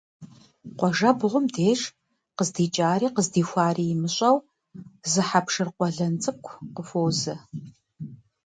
Къуажэбгъум деж, къыздикӏари къыздихуари имыщӏэу зы хьэпшыр къуэлэн цӏыкӏу къыхуозэ.